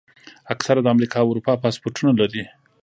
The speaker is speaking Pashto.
اکثره د امریکا او اروپا پاسپورټونه لري.